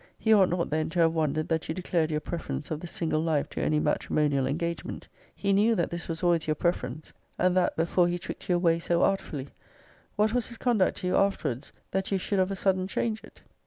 He ought not, then, to have wondered that you declared your preference of the single life to any matrimonial engagement. He knew that this was always your >>> preference; and that before he tricked you away so artfully. What was his conduct to you afterwards, that you should of a sudden change it?